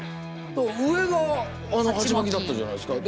上が鉢巻だったじゃないですか。